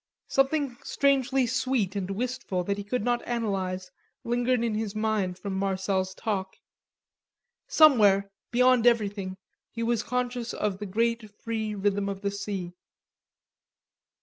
Something strangely sweet and wistful that he could not analyse lingered in his mind from Marcel's talk. Somewhere, beyond everything, he was conscious of the great free rhythm of the sea.